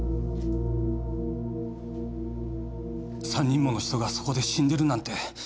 ３人もの人がそこで死んでるなんて。